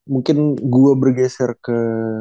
mungkin gua bergeser ke